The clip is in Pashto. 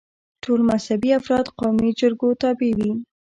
ټول مذهبي افراد قومي جرګو تابع وي.